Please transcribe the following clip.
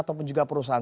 ataupun juga perusahaan